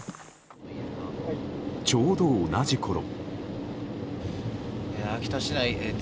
ちょうど同じころ。